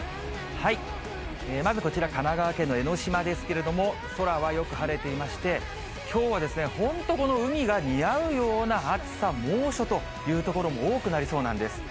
まずこちら、神奈川県の江の島ですけれども、空はよく晴れていまして、きょうは本当、この海が似合うような暑さ、猛暑という所も多くなりそうなんです。